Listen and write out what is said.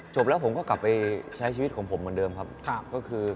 ตลอดไปไม่รู้